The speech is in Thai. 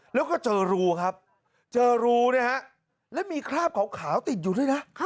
แล้วก็เจอรูครับเจอรูเนี่ยฮะแล้วมีคราบขาวติดอยู่ด้วยนะ